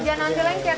wajan aja lengket ya